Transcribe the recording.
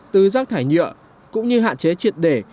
từ rác thải nhựa cũng như hạn chế triệt để